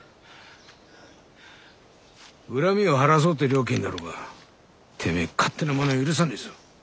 恨みを晴らそうってえ了見だろうがてめえ勝手なまねは許さねえぞ。